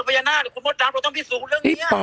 พญานาคนะครึ่งคุณพ่อน้ำต้องพิสูจน์เรื่องเงี้ยพี่ป่า